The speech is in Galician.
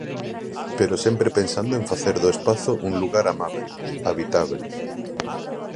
Pero sempre pensando en facer do espazo un lugar amábel, habitábel.